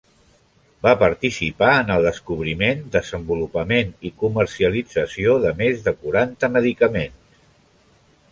Va participar en el descobriment, desenvolupament i comercialització de més de quaranta medicaments.